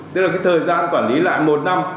tức là cái thời gian quản lý lại một năm